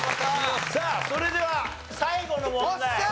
さあそれでは最後の問題！